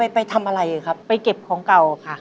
ไปเก็บของเก่าค่ะ